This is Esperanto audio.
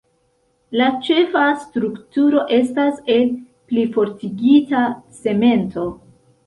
La ĉefa strukturo estas el plifortigita cemento.